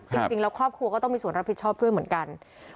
จริงแล้วครอบครัวก็ต้องมีส่วนรับผิดชอบด้วยเหมือนกัน